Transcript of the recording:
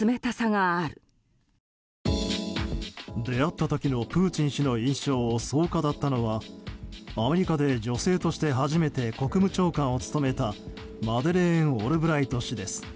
出会った時のプーチン氏の印象をそう語ったのはアメリカで女性として初めて国務長官を務めたマデレーン・オルブライト氏です。